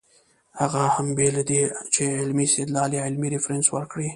هغه هم بې له دې چې علمي استدلال يا علمي ريفرنس ورکړي